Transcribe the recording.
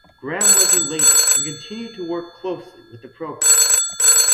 Graham was elated and continued to work closely with the program.